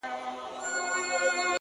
پاگل لگیا دی نن و ټول محل ته رنگ ورکوي ـ